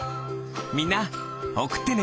みんなおくってね！